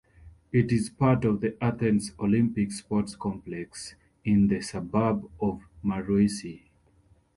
It is part of the Athens Olympic Sports Complex, in the suburb of Maroussi.